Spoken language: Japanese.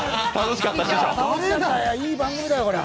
いい番組だよ、これは。